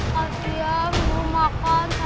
kasihan belum makan